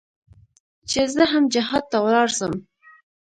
چې زه هم جهاد ته ولاړ سم.